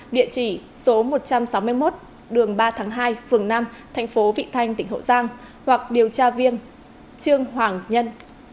địa chỉ số một trăm sáu mươi một đường ba tháng hai phường năm thành phố vị thanh tỉnh hậu giang hoặc điều tra viên trương hoàng nhân